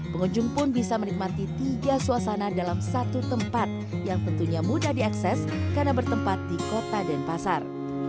pengunjung pun bisa menikmati tiga suasana dalam satu tempat yang tentunya mudah diakses karena bertempat di kota denpasar